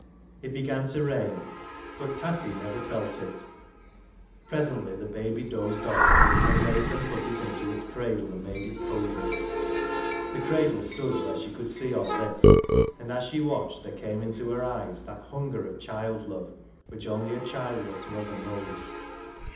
It began to rain, but Tatty never felt it. Presently the baby dozed off, and Nathan put it into its cradle and made it cosy. The cradle stood where she could see all this, and as she watched there came into her eyes that hunger of child love which only a childless mother knows.